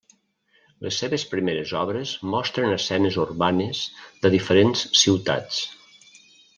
Les seves primeres obres mostren escenes urbanes de diferents ciutats.